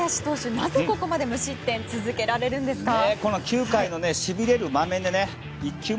なぜここまで無失点続けられるんですか？